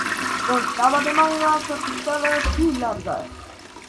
Constaba de mangas ajustadas y largas.